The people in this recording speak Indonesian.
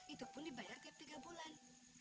itu pun dibayar tiap tiga bulan